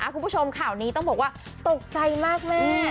คุณผู้ชมข่าวนี้ต้องบอกว่าตกใจมากแม่